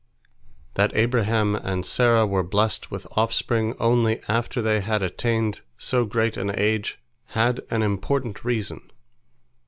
" That Abraham and Sarah were blessed with offspring only after they had attained so great an age, had an important reason.